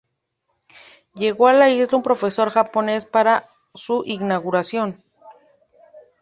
Llegó a la isla un profesor japones para su inauguración.